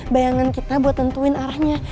bayangan kita buat nentuin arahnya